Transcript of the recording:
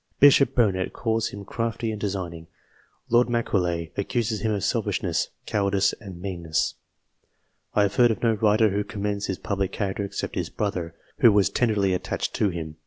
Bishop Burnet calls him crafty and designing. Lord Macaulay accuses him of selfishness, cowardice, and mean ness. I have heard of no writer who commends his public character except his brother, who was tenderly attached to him.